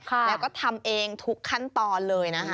แล้วก็ทำเองทุกขั้นตอนเลยนะคะ